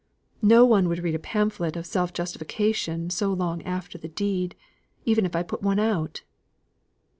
No one would read a pamphlet of self justification so long after the deed, even if I put one out."